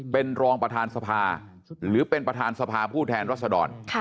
เป็นรองประธานสภาหรือเป็นประธานสภาผู้แทนรัศดร